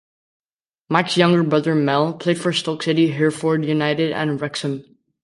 Mike's younger brother, Mel, played for Stoke City, Hereford United and Wrexham.